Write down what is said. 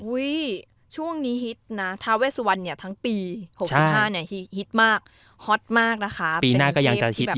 วู้ยช่วงนี้ฮิตทั้งปี๖๕ฮครอดนะคะ